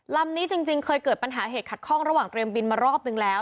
ลำนี้จริงเคยเกิดปัญหาเหตุขัดข้องระหว่างเตรียมบินมารอบนึงแล้ว